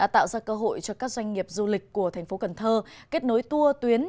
tạo ra cơ hội cho các doanh nghiệp du lịch của tp cần thơ kết nối tour tuyến